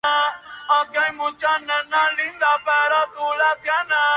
esto, sin duda, le anima, porque sigue acosándome buen rato de camino.